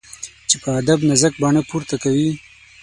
چي په ادب نازک باڼه پورته کوي